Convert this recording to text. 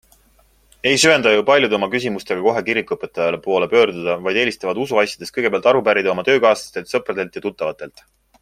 Ei söanda ju paljud oma küsimustega kohe kirikuõpetaja poole pöörduda, vaid eelistavad usuasjades kõigepealt aru pärida oma töökaaslastelt, sõpradelt ja tuttavatelt.